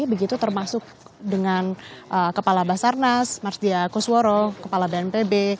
begitu termasuk dengan kepala basarnas marsdia kusworo kepala bnpb